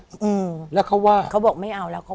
พี่น้องรู้ไหมว่าพ่อจะตายแล้วนะ